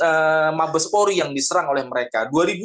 ada mabespori yang diserang oleh mereka